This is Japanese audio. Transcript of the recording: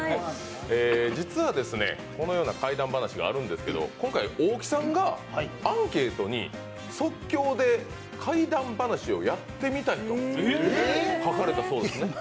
実は、このような怪談話があるんですけど今回、大木さんがアンケートで即興で怪談話をやってみたいと書かれたそうですね。